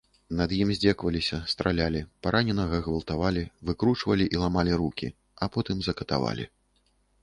Над ім здзекаваліся, стралялі, параненага гвалтавалі, выкручвалі і ламалі рукі, а потым закатавалі.